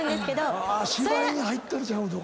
芝居に入ったらちゃうのか。